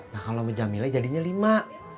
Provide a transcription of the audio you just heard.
nah kalau sama jamila jadinya lima